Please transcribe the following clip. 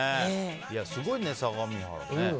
すごいね、相模原ね。